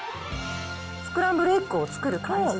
スクランブルエッグを作る感じで。